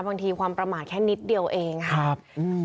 บางทีความประมาทแค่นิดเดียวเองค่ะครับ